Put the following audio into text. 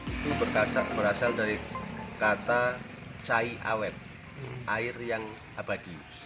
itu berasal dari kata cai awet air yang abadi